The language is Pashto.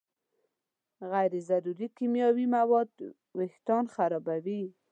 غیر ضروري کیمیاوي مواد وېښتيان خرابوي.